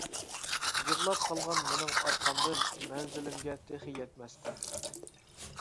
يىغلاپ قالغان مېنىڭ ئارقامدىن، مەنزىلىمگە تېخى يەتمەستە.